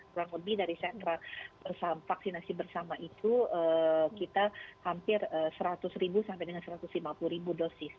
kurang lebih dari sentra vaksinasi bersama itu kita hampir seratus ribu sampai dengan satu ratus lima puluh ribu dosis